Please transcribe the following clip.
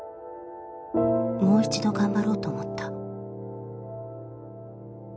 「もう一度がんばろうと思った」